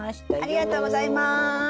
ありがとうございます。